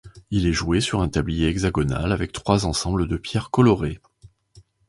Il est joué sur un tablier hexagonal avec trois ensembles de pierres colorées.